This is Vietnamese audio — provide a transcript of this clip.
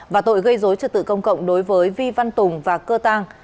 và tội gây dối trực tự công cộng đối với vi văn tùng và cơ tàng